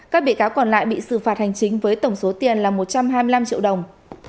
các bị cáo còn lại bị xử phạt hành chính với tổng số tiền là một trăm hai mươi năm triệu đồng